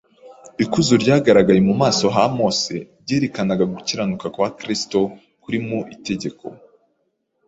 Ikuzo ryagaragaye mu maso ha Mose ryerekanaga gukiranuka kwa Kristo kuri mu itegeko.